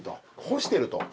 干してると。